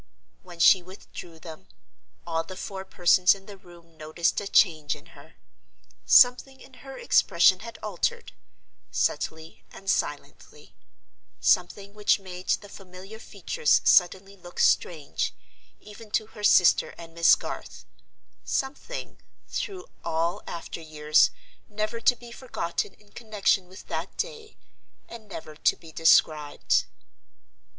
When she withdrew them, all the four persons in the room noticed a change in her. Something in her expression had altered, subtly and silently; something which made the familiar features suddenly look strange, even to her sister and Miss Garth; something, through all after years, never to be forgotten in connection with that day—and never to be described.